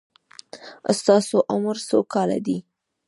ستاسو عمر څو کاله دی؟